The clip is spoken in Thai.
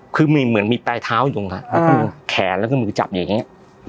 คือมีเหมือนมีใต้เท้ายุงค่ะอ่าแขนแล้วก็มือจับอย่างเงี้ย